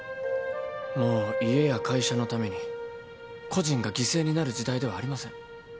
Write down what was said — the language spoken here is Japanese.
もう家や会社のために個人が犠牲になる時代ではありません。